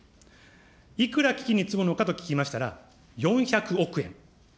いくら基金に積むのかと聞きましたら、４００億円。